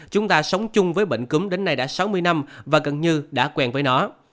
chúng ta sống chung với bệnh cúm đến nay đã sáu mươi năm và gần như đã quen với nó